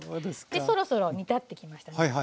そろそろ煮立ってきましたね。